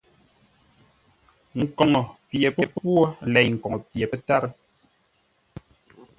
Nkoŋə pye pə́pwô lei koŋə pye pə́tárə́.